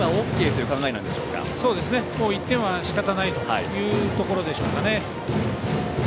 そうですね、１点はしかたないというところでしょう。